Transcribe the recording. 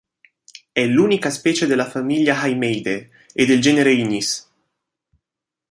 È l'unica specie della famiglia Haimeidae e del genere Ignis.